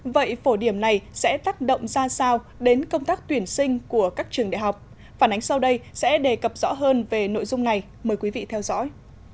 vậy phổ điểm này sẽ tác động ra sao đến công tác tuyển sinh của các trường đại học phản ánh sau đây sẽ đề cập rõ hơn về nội dung này mời quý vị theo dõi